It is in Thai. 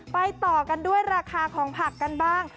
ไปต่อกันด้วยราคาของผักกันบ้าง